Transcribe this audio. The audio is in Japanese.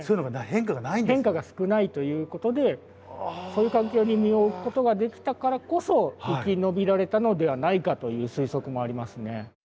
変化が少ないということでそういう環境に身を置くことができたからこそ生き延びられたのではないかという推測もありますね。